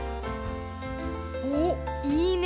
おっいいね！